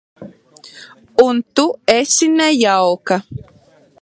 Un tu esi nejauka.